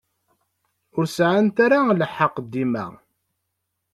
Ur sεant ara lḥeqq dima.